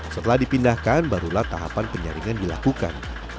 setelah dipindahkan barulah tahapan penyaringan dilakukan